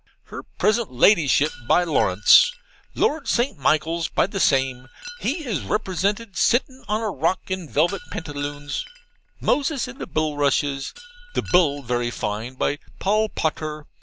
Her present Ladyship, by Lawrence. Lord St. Michaels, by the same he is represented sittin' on a rock in velvit pantaloons. Moses in the bullrushes the bull very fine, by Paul Potter.